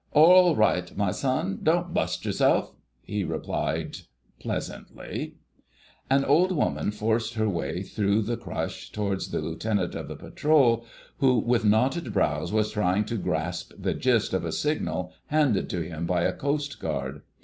"Orl right, my son, don't bust yerself," he replied pleasantly. An old woman forced her way through the crush towards the Lieutenant of the Patrol, who with knotted brows was trying to grasp the gist of a signal handed to him by a coastguard.